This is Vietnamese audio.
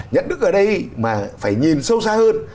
nhận thức ở đây mà phải nhìn sâu xa hơn